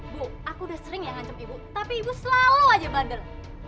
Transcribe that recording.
bu aku udah sering ya ngancam ibu tapi ibu selalu aja bandel